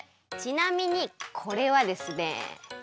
ちなみにこれはですね